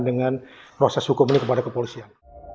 dengan proses hukum ini kepada kepolisian